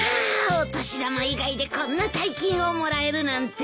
お年玉以外でこんな大金をもらえるなんて。